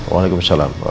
village ini tersasangkan